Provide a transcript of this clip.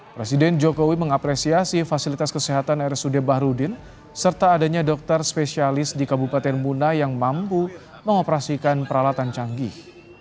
presiden jokowi mengapresiasi fasilitas kesehatan rsud bahrudin serta adanya dokter spesialis di kabupaten muna yang mampu mengoperasikan peralatan canggih